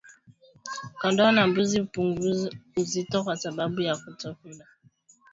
Kondoo na mbuzi hupungua uzito kwa sababu ya kutokula